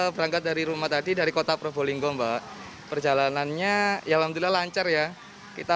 berangkat dari rumah tadi dari kota probolinggo mbak perjalanannya ya alhamdulillah lancar ya kita